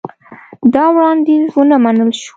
دا وړاندیز ونه منل شو.